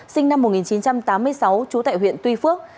sinh năm một nghìn chín trăm tám mươi sáu trú tại huyện tuy phước